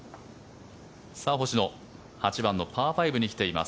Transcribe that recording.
星野８番のパー５に来ています。